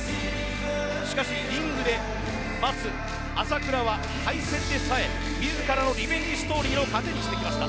しかしリングで待つ朝倉は敗戦でさえ自らのリベンジストーリーの糧にしてきました。